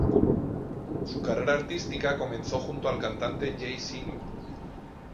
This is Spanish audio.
Su carrera artística comenzó junto al cantante Jay Sean.